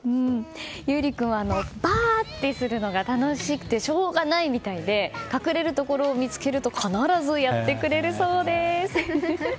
優凛君はばあ！ってするのが楽しくてしょうがないみたいで隠れるところを見つけると必ずやってくれるそうです。